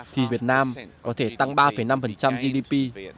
thì việt nam có thể tăng ba năm gdp